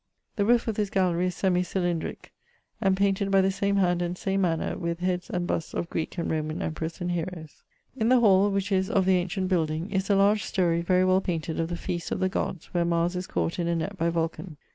The roofe of this gallerie is semi cylindrique, and painted by the same hand and same manner, with heads and busts of Greek and Roman emperours and heroes. In the hall (which is of the auncient building) is a large storie very well painted of the feastes of the gods, where Mars is caught in a nett by Vulcan.